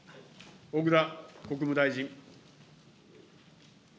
小倉国務大臣。